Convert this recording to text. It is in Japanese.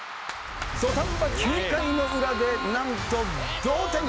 土壇場９回の裏でなんと同点。